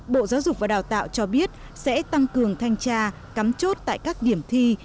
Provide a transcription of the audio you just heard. bộ giáo dục và đào tạo cho biết sẽ tăng cường thanh tra cắm chốt tại các điểm thi